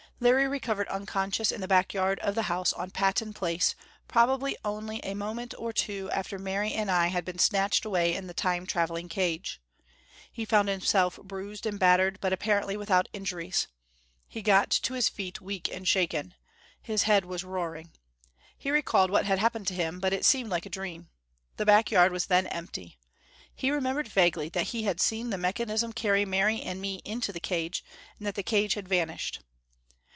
Larry recovered consciousness in the back yard of the house on Patton Place probably only a moment or two after Mary and I had been snatched away in the Time traveling cage. He found himself bruised and battered, but apparently without injuries. He got to his feet, weak and shaken. His head was roaring. He recalled what had happened to him, but it seemed like a dream. The back yard was then empty. He remembered vaguely that he had seen the mechanism carry Mary and me into the cage, and that the cage had vanished.